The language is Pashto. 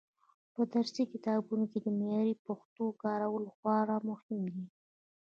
په درسي کتابونو کې د معیاري پښتو کارول خورا مهم دي.